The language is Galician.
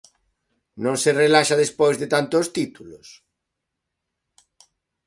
Non se relaxa despois de tantos títulos?